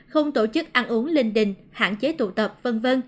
không tổ chức ăn uống linh đình hạn chế tụ tập v v